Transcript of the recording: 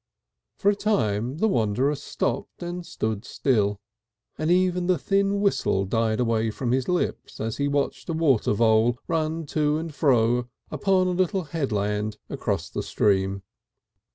For a time the wanderer stopped and stood still, and even the thin whistle died away from his lips as he watched a water vole run to and fro upon a little headland across the stream.